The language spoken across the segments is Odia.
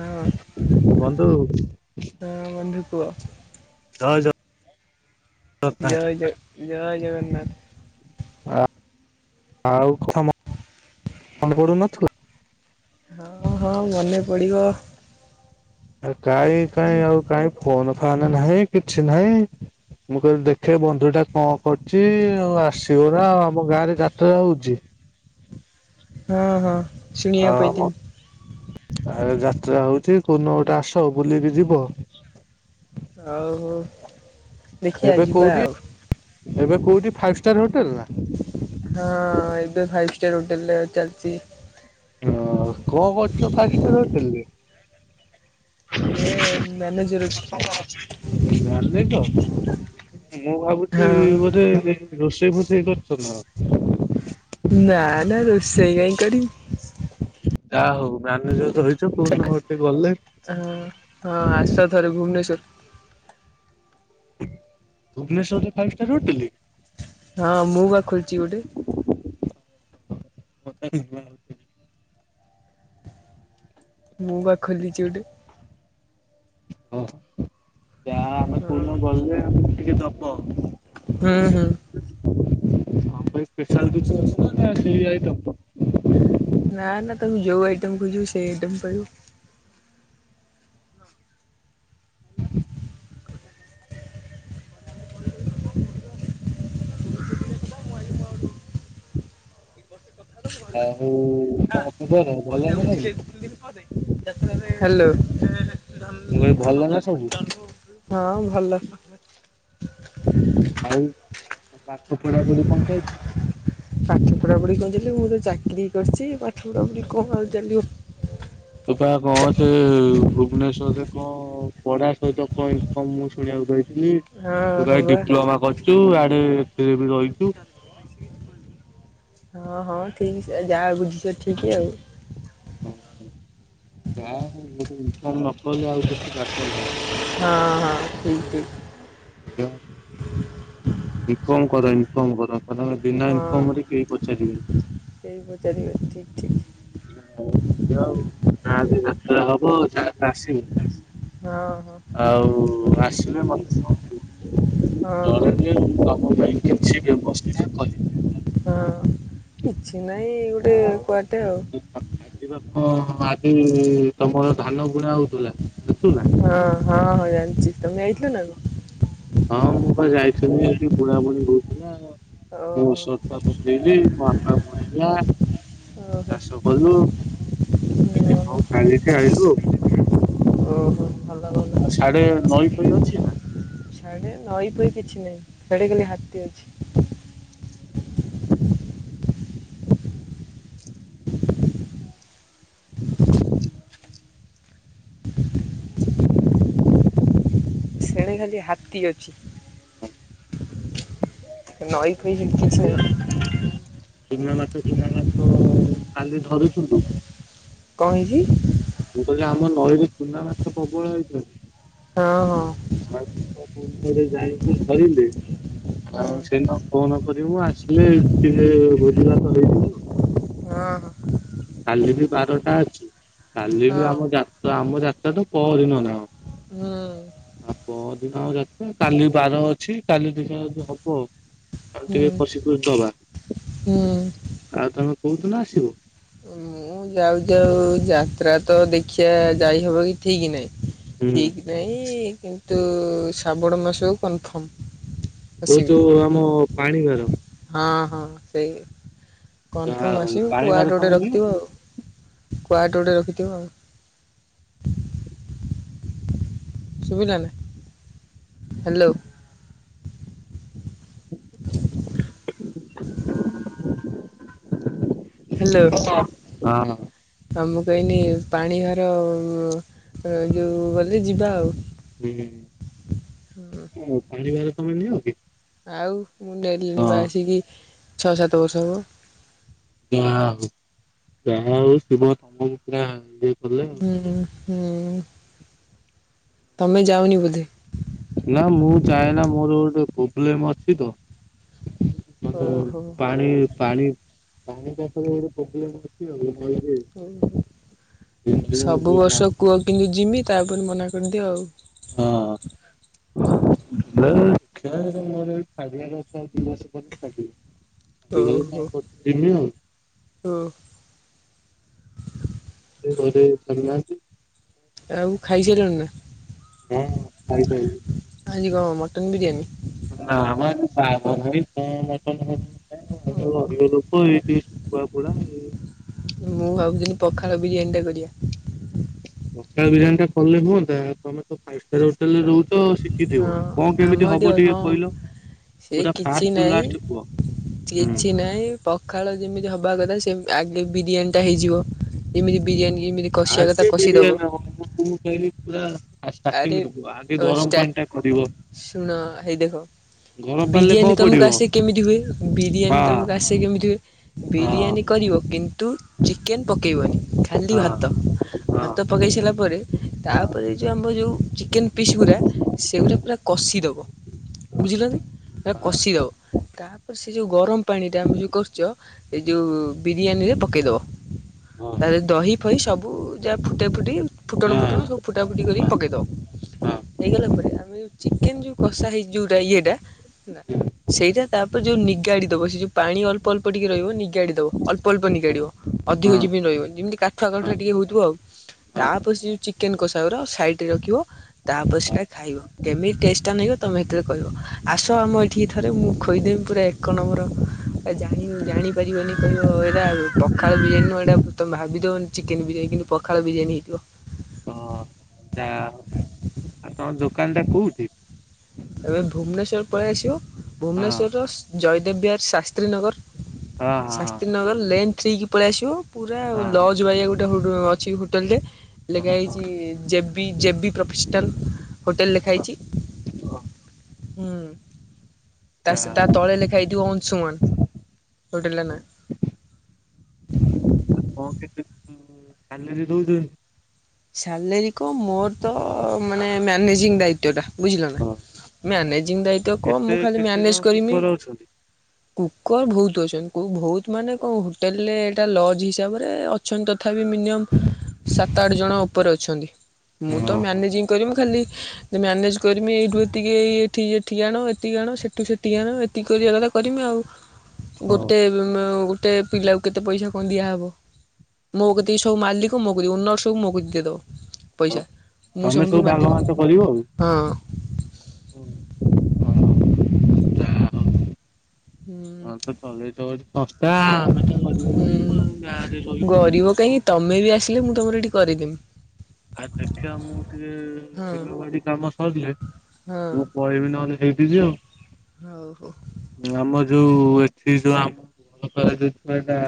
ହଁ ହଁ ବନ୍ଧୁ ଜୟ ବନ୍ଧୁ କୁଅ। ଜୟ ଜ ଜୟ ଜ ଜୟ ଜଗନ୍ନାଥ୍। ଆଉ [unintelligible] ହଁ ହଁ ମନେ ପଡିବ। ଆ କାଇଁ କାଇଁ ଆଉ କହିଁ ଫୋନ ଫାନ୍ ନାହିଁ କିଛି ନାହିଁ। ମୁଁ କହିଲି ଦେଖେ ବନ୍ଧୁ ଟା କଣ କର୍ଚି ଆଉ ଆସିବ ନା ଆଉ ଆମ ଗାଁ ରେ ଯାତ୍ରା ହଉଚି। ହଁ ହଁ। ହଁ ଶୁଣିବାକୁ ପାଇଥିଲି। ଆ ଯାତ୍ରା ହଉଛି କୋଉଦିନ ଗୋଟେ ଆସ ବୁଲିକି ଯିବ। ଆଉ ଦେଖିଆ ଏବେ ଯିବା କୋଉଠି ଆଉ। ଏବେ କୋଉଠି ଫାଇଭ୍ ଷ୍ଟାର୍ ହୋଟେଲ୍ ନା। ହଁ ଏବେ ଫାଇଭ୍ ଷ୍ଟାର୍ ହୋଟେଲ୍ରେ ଚାଲ୍ଚି। ହଁ କଂ କରୁଚ ଫାଇପ୍ ଷ୍ଟାର୍ ହୋଟେଲ୍ରେ। ଏ ମ୍ୟାନେଜର୍ ଅଛି। ମ୍ୟାନେଜର୍ ମୁଁ ଭାବୁଛି ହଁ ବୋଧେ। ରୋଷେଇ ଫୋଷେଇ କରୁଚନା କଂ। ନା ନା ରୋଷେଇ କାହିଁକି କରିବି। ଯାହା ହଉ ମ୍ୟାନେଜର୍ ଯୋଉ ରହିଛ କୋଉ ଦିନ ଗୋଟେ ଗଲେ। ଆଁ ହଁ ଆସ ଥରେ ଭୁବ୍ନେଶ୍ୱର୍। ଭୁବନେଶ୍ୱର୍ରେ ଫାଇଭ୍ ଷ୍ଟାର୍ ହୋଟେଲ୍। ହଁ ମୁଁ ବା ଖୋଲ୍ଚି ଗୋଟେ। [inaudible] [unintelligible] ମୁଁ ପା ଖୋଲିଚି ଗୋଟେ। ଓହୋ ଯାହା ଆମେ ହଁ କୋଉଦିନ ଗଲେ ଆମକୁ ଟିକେ ଦବ। ହୁଁ ହୁଁ। ଆମ୍ ପାଇଁ ସ୍ପେଶାଲ୍ କିଛି ଅଛି ନା ସେଇ ଆଇଟମ୍। ନା ନା ତମେ ଯୋଉ ଆଇଟମ୍ ଖୋଜିବ ସେଇ ଆଇଟମ୍ ପାଇବ। [inaudible] [inaudible] ଆଉ କବ ଭଲ ନା ସବୁ। ହ୍ୟାଲୋ ମୁଁ କଇଲି ଭଲ ନା ସବୁ। ହଁ ଭଲ। ଆଉ ପାଠ ପଢାପଢି କଣ ଚାଲ୍ଚୀ। ପାଠ ପଢି କଣ ଚାଲି ମୁଁ ତ ଚାକିରି କର୍ଚି ପାଠ ପଢା ପଢି କଣ ଆଉ ଚାଲିବ। [inaudible] ତୁପା କଣ ସେ ଭୁବ୍ନେଶ୍ୱରରେ କଣ ପଢା ସହିତ କଣ ଇନ୍କମ୍ ମୁଁ ଶୁଣିବାକୁ ପାଇ ହଁ ତୁ ହଁ କା ବା ଡିପ୍ଲୋମା କରିଛୁ ଆଡେ ଏଥିରେ ବି ରହିଚୁ ହଁ ହଁ ଠିକ୍ ସେ ଯାହା ବୁଝିଛ ଠିକ୍ ଆଉ। ନ କଲେ ଆଉ କିଛି ବାଟ ନାହିଁ। ହଁ ହଁ ଠିକ୍ ଠିକ୍। [unintelligible] ବିକମ୍ ପରେ ଇନ୍କମ୍ କର। ମେ ବିନା ହଁ ଇନ୍କମ୍ରେ କେହି ସେଇ ପଚାରିବେ ଠିକ ଠିକ ପଚାରିବେନି। ଆଉ ଆଜି ଯାତ୍ରା ହବ। ହଁ ହଁ। ଆଉ ଆସିଲେ ମତେ ଜଣୁ ହଁ ହଁ ଜଣେ ତମ ପାଇଁ କିଛି ବ୍ୟବସ୍ଥା କରିବି। ହଁ କିଛି ନଇଁ। ଆଉ ଆଜି ବାପ ଆଜି ତମର ଧାନ ବୁଣା ହଉଥିଲା [unintelligible] ହଁ ହଁ ହଁ ଯାନଛି ତମେ ଯାଇଥିଲ ନା କଁ? ହଁ ମୁଁ ପା ଯାଇଥିଲି ଏଠି ବୁଢା ବୁଢି ରହୁଥିଲେ ଆଉ ଓହୋ ମୁଁ ବା ପକେଇଲି ମୋ ବାପା ବୁଣିଲା ଓହୋ ଚାଷ କଲୁ। ହଉ ଓହୋ କାଲିିକି ଆଇଲୁ ଆଉ। ଓହୋ ଭଲ ଆଉ। ଆଉ ସାଡେ ନଈ ଫଇ ଅଛି ନା? ସାଡେ ନଈ ଫଇ କିଛି ନାହିଁ ସାଡେ ଖାଲି ହାତୀ ଅଛି। ଶେଣେ ଖାଲି ହାତୀ ଅଛି। ନଈ ଫଇ ହେ କିଛି ନା? ନାହିଁ। ଚୁନା ମାଛ ଫୁନା ମାଛ କାଲି ଧରୁଛନ୍ତି। କଣ ହେଇଛି। ମୁଁ କହିଲି ଆମ ନଈୀରେ ଚୁନା ମାଛ ପ୍ରବଳ ହେଇଛନ୍ତି। ହଁ ହଁ। ହଁରେ ଯାଇକି ଧରିଲେ ଆ ହୁଁ ସେଇନ ଫୋନ କରିବୁ ଆସିଲେ ଏଇ ଟିକେ ଭୋଜି ଭାତ ହେଇଯିବ। ହଁ ହ। କାଲି ବି ବାରଟା ଅଛି କାଲି ବି ହଁ ଆମ ଯାତ ଆମ ଯାତ ତ ପର ନ ନା କଁ। ହଁ। ଆଉ ପଅର ଦିନ ଆମ ଯାତ କାଲି ବାର ଅଛି କାଲି ଦେଖିଆ ଯଦି ହବ ଆଉ। ଆଉ ଟିକେ କସି କୁସି ଦବା। ହଁ। ଆଉ ତମେ କଉ ଦିନ ଆସିବ? ମୁଁ ଯାଉ ଯାଉ ଯାତ୍ରା ତ ଦେଖିବା ଯାଇହବ କି ଠିକ୍ ନାହିଁ ହୁଁ ଠିକ୍ ନାଇ କିନ୍ତୁ ଶ୍ରାବଣ ମାସକୁ କନଫର୍ମ। ଏ ଆସିବି ଯୋଉ ଆମ ପାଣିଭାର। ହଁ ହଁ ସେଇ ଯାହା କନଫର୍ମ ଆସିବୁ ପାଣିଭାର କୁଆଟ୍ ତମେ ଗୋଟେ ନିଅ? ରଖିଥିବ ଆଉ। କୁଆଟ ଗୋଟେ ରଖିଥିବ ଆଉ। ସୁବିଲା ନା ହ୍ୟାଲୋ। [unintelligible] ହ୍ୟାଲୋ। ହଁ। ଆଉ ମୁଁ କହନି ପାଣି ଭାର ଯୋଉ ଗଲେ ଯିବା ଆଉ। ହୁଁ ଉ ପାଣିିଭାର ତମେ ନିଅ କି? ଆଉ ମୁଁ ନେଲିଣି ବା ହଁ ଆସିକି ଛଅ ସାତ ବର୍ଷ ହବ। ଯା ହଉ, ଯା ହଉ ଶିବ ତମକୁ ପୁରା କଲେ ଆଉ। ହଁ ହଁ। ତମେ ଯାଅନି ବୋଧେ। ନା ମୁଁ ଯାଏନା ମୋର ଗୋଟେ ପ୍ରୋବ୍ଲେମ ଅଛି ତ। ମାନେ ଓହୋ ପାଣି ପାଣି ପାଣି ପାଖରେ ଗୋଟେ ପ୍ରୋବ୍ଲେମ ଅଛି ଆଉ ନଈରେ। ଓହୋ ନଈରେ ମୁଁ ସବୁ ଟିକେ ଯାଏ। ବର୍ଷ କୁଅ କିନ୍ତୁ ଜିମି ତାପରେ ମନା କରିଦିଅ ଆଉ। ହଁ। ହ ଦେଖିଆ ମୋର ଏଇଠି ଛାଡିବାର ଅଛି ଆଉ ଦି ମାସ ପରେ ଛାଡ଼ି ଦେବୀ। [unintelligible] ଆଉ ହଁ। ଏ ବହି ରେ ଛାଡ଼ି ନାହାନ୍ତି। ଆଉ ଖାଇସାଇଲଣି ନା। ହଁ ଖାଇ ସାରିଲିଣି। ଆଜି କଣ ମଟନ ବିରିୟାନୀ। ନା ମ ଆଜି ବାର ନାହିଁ। ମଟନ ଆ ଓହୋ [unintelligible] ଏଇ ଟିକେ ଶୁଖୁଆ ପୋଡା। ମୁଁ ଭାବୁଥିଲି ପଖାଳ ବିରିୟାନୀ ଟା କରିବା। ପଖାଳ ବିରିୟାନୀ ଟା କଲେ ହୁଅନ୍ତା ଆଉ ତମେ ତ ଫାଇବ ଷ୍ଟାର ହୋଟେଲ ରେ ରହୁଚ। ଚ ଶିଖିଥିବ କଣ କେମିତି ହବ ଟିକେ କହିଲ। ସେଇ ପୁରା କିଛି ଫାଷ୍ଟରୁ ନାଇଁ ଲାଷ୍ଟ କୁହ ହୁଁ। କିଛି ନହିଁ। ପଖାଳ ଯେମିତି ହବା କଥା ସେମି ଆଗେ ବିରିୟାନୀ ଟା ହେଇଯିବ। ଯେମିତି ବିରିୟାନୀ ଯେମିତି କଷିବା କଥା କଷିଦବ। [unintelligible] ହେବି ପୁରା ଆରେ ଷ୍ଟାର୍ଟିଂରୁ କୁହ ଆଗେ ଗରମ ଷ୍ଟା ପାଣି ଟା କରିବ ଶୁଣ ହେଇ ଦେଖ ଗରମ ପାଣିରେ କଣ ବିରିୟାନୀ ତମକୁ ପଡିବ ଆସେ କେମିତି ହୁଏ ହଁ ବିରିୟାନୀ ତମକୁ ଆସେ କେମିତି ହୁଏ। ହଁ ବିରିୟାନୀ କରିବ କିନ୍ତୁ ଚିକେନ ପକେଇବନି ଖାଲି ହଁ ଭାତ। ହଁ ହଁ ଭାତ ପକେଇ ସାରିଲା ପରେ ହଁ ତାପରେ। ଆମର ଯୋଉ ଚିକେନ ପିସ୍ ଗୁଡା ସେଗୁଡା ପୁରା କଷ ସି ଦବ ବୁଝିଲ କି ପୁରା କସି ଦବ ତା ପରେ ସେ ଯୋଉ ଗରମ। ପାଣି ଟା ଆମେ ଯୋଉ କରୁଛ ଏଇ ଯୋଉ ବିରିୟାନୀ ରେ ପକେଇଦବ। ହଁ ହଁ ତା ଦିଏରେ ଦହି ଫହି ସବୁ ଯାହା ଫୁଟା ଫୁଟି ଫୁଟଣ ଫୁଟଣ ହଁ ସବୁ ଫୁଟ ଫୁଟା ଫୁଟି କରି ପକେଇ ଦବ ହେଇଗଲା ପରେ ଆମେ ଯୋଉ ଚିକେନ ଯୋଉ କସା ହେଇଚି ଯୋଉ। ତା ଇଏଟା। ସେଇଟା ତାପରେ ଯୋଉ ନିଗାଡି ଦବ ସେ ଯୋଉ ପାଣି ଅଳ୍ପ ଅଳ୍ପ ଟିକେ ରହିବ ନିଗାଡି ଦବ। ଅଳ୍ପ ଅଳ୍ପ ନିିଗାଡିବ ଅଧିକ ହଁ ଯମି ରହିବ ଯେମିତି କାଠୁଆ କାଠୁଆ ହଁ ଟିକେ ହଉଥିବ ତା ହଁ ପରେ ସେ ଯୋଉ ଚିକ ଚିକେନ୍ କୋଷାଗୁରା ସାଇଟ ରେ ରଖିବ ତାପରେ ସେଇଟା ଖାଇବ। କେମିତି ଟେଷ୍ଟ ଟା ନାଗିବ ତମେ ସେତେବେଳେ କହିବ ଆସ ଆମ ଏଠିକି ଥରେ ମୁଁ ଖୋଇଦେମି ପୁରା ଏକ ନମ୍ବର ପୁରା ଜାଣି ଜାଣିପାରିବନି କହିବ ଏଇଟା ପଖାଳ ବିରିୟାନ ନୁଅ ଏଇଟା। ତମେ ଭାବିିଦବ ଚିକେନ ବିରିୟାନି କିନ୍ତୁ ପଖାଳ ବିରିୟାନୀ ହେଇଥିବ। ହଁ ଯା ହ ଉ ଆଉ ତମ ଦୋକାନଟା କୋଉଠି। ଏ ଯୋଉ ଭୁବନେଶ୍ଵର ପଳେଇ ଆସିବ ହଁ ଭୁବନେଶ୍ୱରର ଜୟଦେବ ବିହାର ଶାସ୍ତ୍ରୀ ନଗର। ହଁ ଶାସ୍ତ୍ରୀ ହଁ ନଗର ଲେନ୍ ଥ୍ରି କୀ ପଳେଇ ଆସିବ ପୁରା ଲଜ ବାଗିଆ ଗୋଟେ ଗୋଟେ ହୋଟ ଅଛି ହୋଟେଲ ଟେ ହଁ ଲେଖା ହଁ। ହେଇଛି ଯେ B J B professional hotel ଲେଖା ହୋଇଛି। ହୁଁ। ତା ସେ ତା ତଳେ ଲେଖା ହେଇଥିବ ଅଂଶୁମାନ ହୋଟେଲ ର ନା। ହଁ କେତି। ସାଲାରୀ ଦଉ ଛନ୍ତି। ସାଲେରୀ କଁ ମୋର ତ ମାନେ ମ୍ୟାନେଜିଂ ଦାୟିତ୍ୱ ଟା ବୁଝିଲ ନା। ମ୍ୟାନେଜିଂ ଦାୟିତ୍ବ କଁ କେତେ ମୁଁ ଖାଲି କେତେ ଜଣ ମ୍ୟାନେଜ କରିମି। କୁକର ଅଛନ୍ତି? କୁକର ବହୁତ ଅଛନ୍ତି ବହୁତ ମାନେ କଁ ହୋଟେଲ ରେ ଏଟା ଲଜ ହିସାବରେ। ଅଛନ୍ତି ତଥାପି ମିନିମମ୍ ସାତ ଆଠ ଜଣ ଉପରେ ଅଛନ୍ତି। ମୁଁ ତ ଓହୋ ମ୍ୟାନେଜିଂ କରିମି ଖାଲି ଯେ ମ୍ୟାନେଜ୍ କରିମି ଏଇଠୁ ଏତିିକି ଏଠି ଏଠି ଆଣ ଏତିକି ଆଣ ସେଠୁ ସେଠିକି ଆଣ। ସେତିକି କରିବା କଥା କରିମି ଆଉ ହଉ। ଗୋଟେ ଗୋଟେ ପିଲାକୁ କେତେ ପଇସା କଣ ଦିଆହବ ମୋ କେତକି ସବୁ ମାଲିକ ମୋ କତିକି ଓନର ସବୁ ମୋ କତିକି। ଦେଇଦବ ପଇସା ମୁଁ ତମେ ସବୁ ସମତଙ୍କୁ ଭାଗ ବାଣ୍ଟି ଦେବି ବାଣ୍ଟ କରିବ ଆଉ। ହଁ। ଓ ହୋ ଯା ହ ଉ। ହୁଁ। ଚଲେଇବ ଗୋଟେ ସଂସ୍ଥା ମାନେ। ହୁଁ ଗରିବ କାହିଁକି ତମେ ବି ଆସିଲେ ମୁଁ ତମର ଏଠି କରେଇଦେମି। ଆ ଦେଖିବା ମୁଁ ଟିକେ ହଁ ବିଲ ବାଡି କାମ ସରିିଲେ। ହଁ ମୁଁ ପଳେଇବି ନହେଲେ ସେଇଟିକି ହଉ ହଉ ଆଉ। ଆମ ଯୋଉ ଏଠି ଯୋଉ ଆମ ଯୋଉ ଭଲପାଇବା ଦେଇଛି ଏଇଟା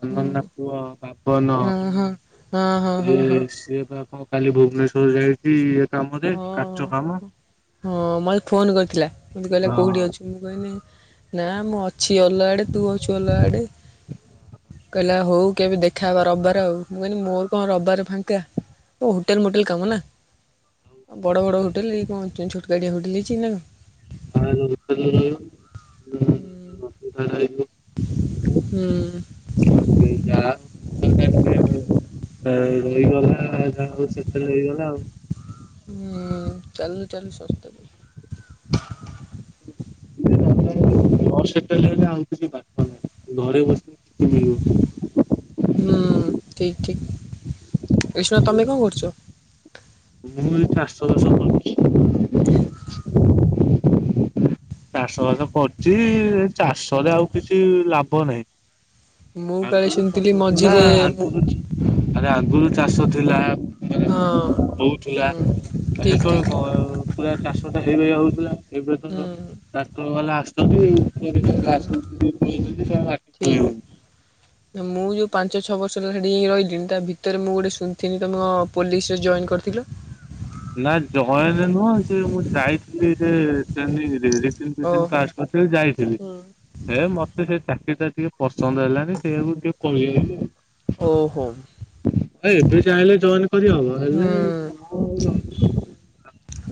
ବନ୍ଦନା ହୁଁ ପୁଅ ବାବନ। ହଁ ହଁ ହଁ ହଁ ଏ ହଁ ସିଏ ବା କଣ କାଲି ଭୁବନେଶ୍ଵର ଯାଇଛି କାମରେ ହଁ, କାଚ କାମ। ହଁ ମୋତେ ଫୋନ କରିଥିଲା ମତେ କହିଲା କୋଉଠି ହଁ। ଅଛି ମୁଁ କହିନି ନା ମୁଁ ଅଛି ଅଲଗା ଆଡେ ତୁ ଅଛୁ ଅଲଗା ଆଡେ। କହିଲା ହଉ କେବେ ଦେଖା ହବା ରବାର ଆଉ ମୁଁ କହିଲି ମୋର କଣ ରବାର ଫାଙ୍କା। କଉ ହୋଟେଲ ମୋଟେଲ୍ କାମ ନା ବଡ଼ ବଡ଼ ହୋଟେଲ ଏଇ କଣ ଛୋଟକାଟିଆ ହୋଟେଲ୍ ହେଇଚି ନା କଣ। ତା ହେଲେ ହୋଟେଲ ରେ ରହିବ [unintelligible] ଅସୁବିଧା ଟା ହୁଁ ହୁଁ ହେଇଯିବ। [unintelligible] ଯା ରହିଗଲା ଯାହା ହଉ ସେତେବେଳେ ହେଇଗଲା ଆଉ। ହୁଁ ଚାଲୁ ଚାଲୁ ସଂସ୍ଥା ସେତେ ଲେଟ ଆଉ କିଛି ବାଟ ନାହି। ଘରେ ବସି କିଛି ମିଳିବନି। ହୁଁ ଠିକ ଠିକ କୃଷ୍ଣା ତମେ କଣ କରୁଛ? ମୁଁ ଏ ଚାଷ ବାସ କରୁଚି। [inaudible] ଚାଷ ବାସ କରୁଛି ଚାଷରେ ଆଉ କିଛି ଲାଭ ନାହିଁ। ମୁଁ କାଳେ ଆଗରୁ ଶୁଣିଥିଲି ଚାଷ ଥିଲା ମଝିରେ ମୁଁ ଆଗରୁ ଆରେ ଆଗରୁ ଚାଷ ଥିଲା। ମାନେ ହଁ ହଉଥିଲା ହୁଁ ଠିକ୍ ହେତ ଠିକ୍ ବ ପୁରା ଚାଷଟା ହେଇଭଳିଆ ହଉଥିଲା ଏବେ ହୁଁ ତ ଡାକ୍ତର ବାଲା ଆସୁଛନ୍ତି ହୁଁ ଠିକ୍। [unintelligible] ମୁଁ ଯୋଉ ପାଞ୍ଚ ଛଅ ବର୍ଷ ହେଲା ସେଠି ରହିଲି ତା ଭିତରେ ମୁଁ ଗୋଟେ ଶୁଣିଥିନି ତମ କଣ ପୋଲିସ ରେ ଜଏନ କରିଥିଲ। ନା ଜଏନ ନୁହଁ ସେ ମୁଁ ଯାଇଥିଲି ରେ ଟ୍ରେନିଙ୍ଗ ରେ ରିଟିନ ଫିଟିନ ଓହୋ ପାସ କରିଥିଲି ଯାଇଥିଲି। ହୁଁ ହେ ମତେ ସେ ଚାକିରି ଟା ଟିକେ ପସନ୍ଦ ହେଲାନି ସେୟାକୁ ଟିକେ ପଳେଇ ଆଇଲି ଆଉ। ଓହୋ। ଆ ଏବେ ଚାହିଁଲେ ଜଏନ କରିହବ ହୁଁ ହେଲେ କଣ ଆଉ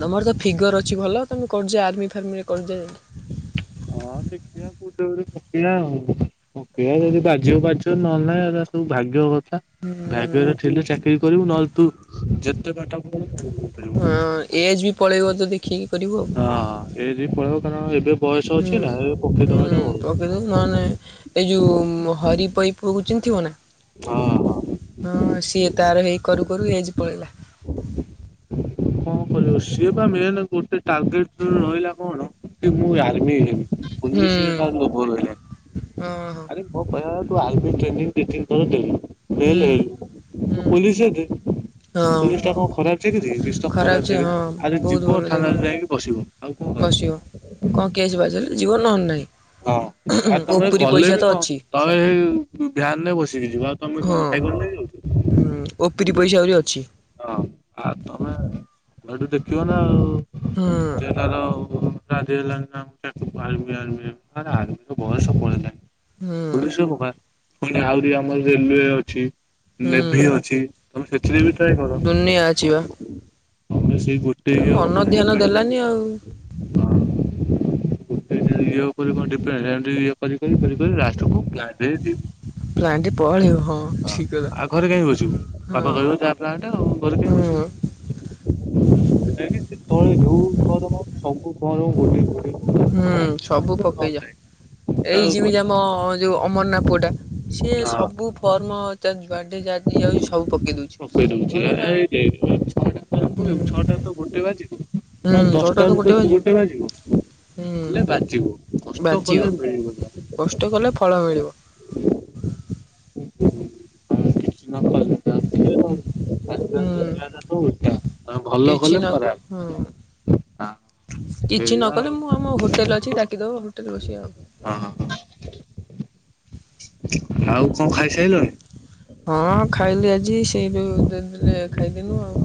ତମର ତ ଫିଗର ଅଛି ଭଲ ତମେ କରଯା ଆର୍ମି ଫାର୍ମିରେ କରଦେ। ହଁ ଦେଖିଆ। କଉଠେ ଗୁରେ ପକେଇଆ ପକେଇଆ ଯଦି ବାଜିବ -ବାଜିବ ନହେଲେ ନାହିଁ ଏରା ସବୁ ଭାଗ୍ୟ ଭାଗ୍ୟରେ ଥିଲେ ଚାକିରି କରିବୁ ନହେଲେ ତୁ ଯେତେ ପାଠ ପଢ ହଁ ଏଜ ବି ପଳେଇବ ତ ଦେଖିକି କରିବୁ ଆଉ। ଏଜ ବି ପଳେଇବ କାରଣ ଏବେ ବୟସ ହୁଁ ଅଛି ନା ଏବେ ହୁଁ ପକେଇଦବାଟା ଭଲ। ପକେଇ ଦବୁ ନ ହେଲେ ନ ଏଇ ଯଉଁ ହରିପଇପୁଅକୁ ଚିନ୍ ଥିବ ନା ହଁ ହଁ ହଁ ସିଏ ତାର ହେଇ କରୁ କରୁ ଏଜ ପଳେଇଲା। କଣ କରବ ସିଏ ବା ମେନ ଗୋଟେ ଟାର୍ଗେଟ ରହିଲା କଣ କି ମୁଁ ଆର୍ମି ହେବି ପୋଲିସ ହୁଁ। ତାର ଲୋଭ ରହିଲାନି। ହଁ ହଁ ଆରେ ମୋ କହିବା କଥା ତୁ ଆର୍ମି ଟ୍ରେନିଂ ଦି ତିନ ଥର ଦେଲୁ। ଫେଲ୍‌ ହୁଁ ହେଲୁ ହୁଁ ତୁ ପୋଲିସ ରେ ଦେ ହଁ ପୋଲିସ ଟା କଣ ଖରାପ ଚାକିରି। ଖରାପ ସେ ହଁ ଚାକିରି ଆରେ ବହୁତ ଯିବ ଭଲ ଚାକିରି ଥାନାରେ ଯାଇକି ବସିବ ଆଉ କଣ ବସିବ। କଣ କେସ ବାସ ହେଲେ ଯିବ ନହେଲେ ନାହିଁ। ହଁ ଆଉ ତମେ ଓପରି ଗଲେ ପଇସା ବି ତ କଣ ଅଛି। ତମେ ହେଇ ଭ୍ୟାନରେ ବସିକି ଯିବ ଆଉ ତମେ କଣ ହଁ ସାଇକଲ ରେ ଯାଉଛ। ହୁଁ ଓପରିି ପଇସା ଆହୁରି ଅଛି। ହଁ ଆଉ ତମେ ଏଠୁ ଦେଖିବ ନା ଆଉ ହୁଁ। ସେ ତାର ରାଜି ହେଲାଣି ଆର୍ମି ଆର୍ମି ହେବି ଆରେ ତୋ ବୟଷ ପଲେଇଲାଣି ହୁଁ ପୋଲିସ୍ ରେ ପକା ପୁଣି ଆହୁରି ଆମର ରେଲୱେ ଅଛି। ହୁଁ। ନେଭି ଅଛି ତମେ ସେଥିରେ ବି ଟ୍ରାଏ କର ଦୁନିଆ ଆଛିି ବା ତମେ ସେଇ ପଢ ଏ ମନ ଧ୍ୟାନ ଦେଲାନି ଆଉ ହଁ। ଗୋଟେ ଇଏ ଉପରେ କଣ ଡିପ୍ଲମା ଏମିତି ଇଏ କରି କରି କରି ଲାଷ୍ଟ୍ କୁ ପ୍ଲାନ୍। ସେମିତି ପ୍ଲାଣ୍ଟ ପଳେଇବ ହଁ ଠିକ କଥା। ଆଉ ଘରେ କାହିଁ ବସିବୁ ବାପା ହଁ କହିବ ଯା ଆଁଟା ଆଉ ଘରେ କାହିଁ ହୁଁ ବସିବୁ। ଏମିତି ଯେତେବଳେ ଦେଖିବୁ ଫର୍ମ ସବୁ ଫର୍ମ ଗୋଡେଇ ଗୋଡେଇ ବାଜିବ ହୁଁ ନହେଲେ ସବୁ ପକେଇ ଯା। ଏଇ ନାଇଁ ହଁ ଯେମିତି ଆମ ଯୋଉ ଅମରନା ପୁଅ ଟା ସିଏ ସବୁ ଫର୍ମ ତ ଯୁଆଡ଼େ ଯାହା ଦିଆ ଯାଉଛି ସବୁ ପକେଇ ଦେଉଛି। ପକେଇ ଦଉଛି ଆରେ ଆରେ ଏ ବେଧୁଆ ଛୁଆଟା ତ ସବୁ ହୁଁ। ଗେ ଛଟାରୁ ଗୋଟେ ବାଜିିନି। ହୁଁ ନଲେ ତୋଟା ଦଶଟା ରୁ ତ ବାଜିବ ଗୋଟେ ବାଯିବ। ହୁଁ ହେଲେ ବାଜିବ କଷ୍ଟ୍ କଲେ ମିଳିବ ଯା। କଷ୍ଟ୍ କଲେ ଫଳ ମିଳିବ। ହୁଁ କିଛି ନହଲେ [unintelligible] ଆଜି କାଲି ହୁଁ ଦୁନିଆ ଟା ତ ଓଲଟା ଆଁ ଭଲ କିଛି ନ କଲେ ଖରାପ୍। ହୁଁ କିଛି ନ କଲେ ମୁଁ ଆମ ହୋଟେଲ ଅଛି ଡାକିଦବ ହୋଟେଲରେ ବସିବା ଆଉ। ହଁ ହୁଁ ଆଉ କଣ ଖାଇସାଇଲଣି। ହଁ ଖାଇଲି ଆଜି ସେଇ ଯୋଉ ଦେଇଦେଲେ ଖାଇଦେଲୁ ଆଉ।